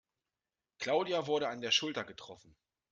Claudia wurde an der Schulter getroffen.